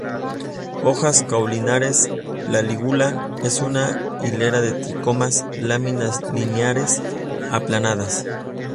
Hojas caulinares; la lígula es una hilera de tricomas; láminas lineares, aplanadas.